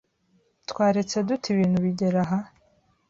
Twaretse dute ibintu bigera aha?